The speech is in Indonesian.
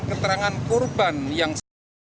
keterangan kurban yang